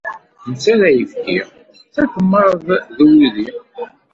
Nettarra ayefki d takemmart d wudi.